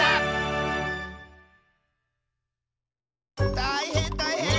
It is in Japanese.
たいへんたいへん！